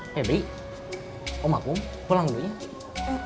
pebri omakum pulang dulu ya